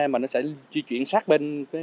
mà nó sẽ di chuyển sát bên